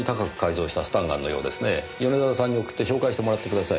米沢さんに送って照会してもらってください。